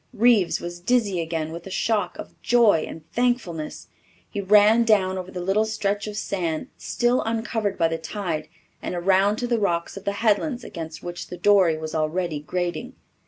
Reeves was dizzy again with the shock of joy and thankfulness. He ran down over the little stretch of sand still uncovered by the tide and around to the rocks of the headlands against which the dory was already grating.